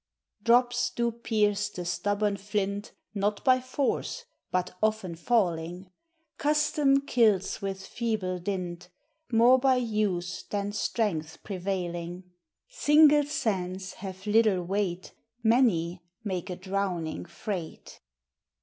Drops do pierce the stubborn flint, Not by force, but often falling; Custome kills with feeble dint, More by use than strength prevailing : Single sands have little weight, Many make a drowning freight.